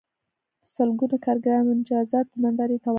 سلګونه کارګران د مجازاتو نندارې ته ولاړ وو